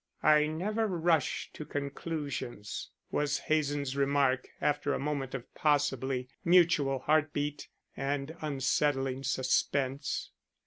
"I never rush to conclusions," was Hazen's remark after a moment of possibly mutual heart beat and unsettling suspense.